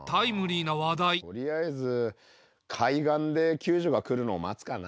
うんとりあえず海岸で救助が来るのを待つかな。